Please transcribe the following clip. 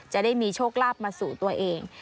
จะได้มีโชคลาภมาสู่ตัวเอง